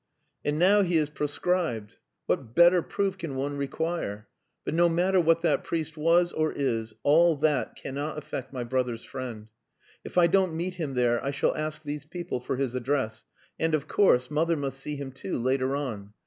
And now he is proscribed. What better proof can one require. But no matter what that priest was or is. All that cannot affect my brother's friend. If I don't meet him there I shall ask these people for his address. And, of course, mother must see him too, later on.